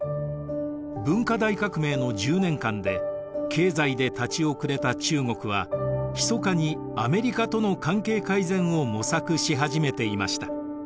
文化大革命の１０年間で経済で立ち遅れた中国はひそかにアメリカとの関係改善を模索し始めていました。